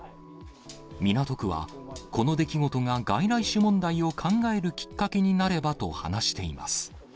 港区はこの出来事が外来種問題を考えるきっかけになればと話しています。